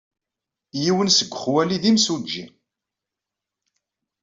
Yiwen seg xwali d imsujji.